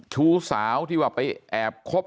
ชู้สาวที่ว่าไปแอบคบ